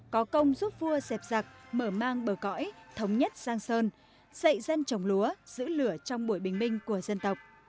có công giúp vua dẹp giặc mở mang bờ cõi thống nhất giang sơn dạy dân trồng lúa giữ lửa trong buổi bình minh của dân tộc